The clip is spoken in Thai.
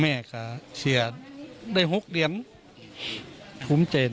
แม่ค่ะเสียได้หกเดือน